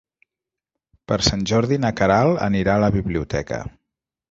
Per Sant Jordi na Queralt anirà a la biblioteca.